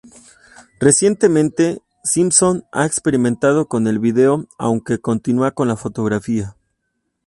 Recientemente, Simpson ha experimentado con el vídeo aunque continúa con la fotografía.